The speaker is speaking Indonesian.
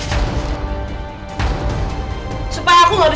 kamu semua ke panggilan saltot